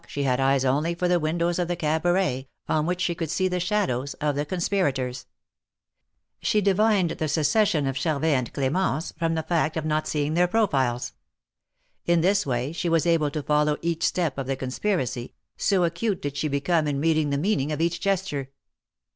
she had eyes only for the windows of the Cabaret, on which she could see the shadows of the conspirators. She divined the secession of Char vet and Clemence from the fact of not seeing their profiles. In this way she was able to follow each step of the conspiracy, so acute did she become in reading the meaning of each gesture.